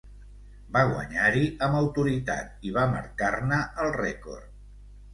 Va guanyar-hi amb autoritat i va marcar-ne el rècord.